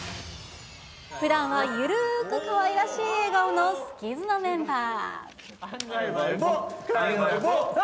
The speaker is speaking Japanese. ふだんは緩くかわいらしい笑顔のスキズのメンバー。